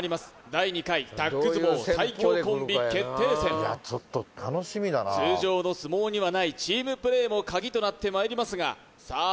第２回タッグ相撲最強コンビ決定戦通常の相撲にはないチームプレーもカギとなってまいりますがさあ